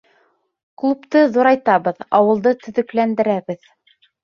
Клубты ҙурайтабыҙ, ауылды төҙөкләндерәбеҙ.